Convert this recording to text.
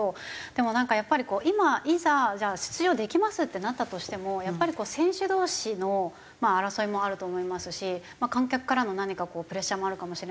でもなんかやっぱりこう今いざ出場できますってなったとしてもやっぱり選手同士の争いもあると思いますし観客からの何かプレッシャーもあるかもしれないですし。